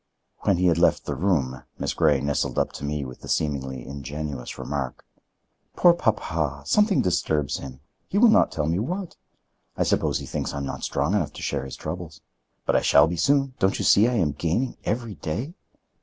When he had left the room, Miss Grey nestled up to me with the seemingly ingenuous remark: "Poor papa! something disturbs him. He will not tell me what. I suppose he thinks I am not strong enough to share his troubles. But I shall be soon. Don't you see I am gaining every day?"